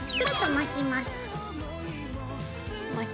巻きます。